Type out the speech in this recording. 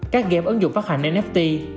các game ứng dụng phát hành nft